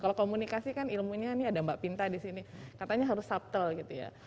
kalau komunikasi kan ilmunya ini ada mbak pinta di sini katanya harus subtle gitu ya